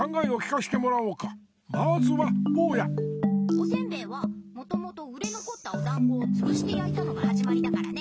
おせんべいはもともと売れのこったおだんごをつぶしてやいたのがはじまりだからね。